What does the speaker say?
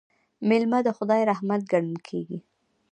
میلمه د خدای رحمت ګڼل کیږي.